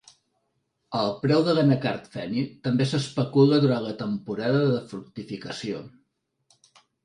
El preu de l'anacard feni també s'especula durant la temporada de fructificació.